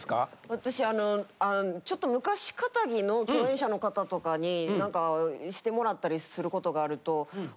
私あのちょっと昔かたぎの共演者の方とかに何かしてもらったりする事があると。